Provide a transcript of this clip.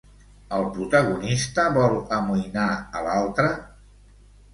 El protagonista vol amoïnar a l'altre?